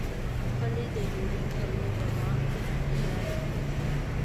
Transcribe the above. پلي د یوډین په لور روان شو، هغې لارې ته.